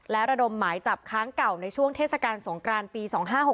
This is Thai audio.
และระดมหมายจับค้างเก่าในช่วงเทศกาลสงกรานปี๒๕๖๖